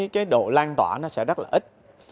cái độ lan tỏa nó sẽ rất là ít